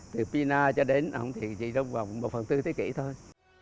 từ pina cho đến ông thì chỉ trong vòng một phần tư thế kỷ thôi